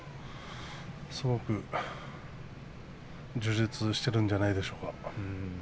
すごく充実しているんじゃないでしょうか。